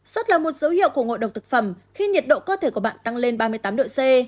sốt là một dấu hiệu của ngộ độc thực phẩm khi nhiệt độ cơ thể của bạn tăng lên ba mươi tám độ c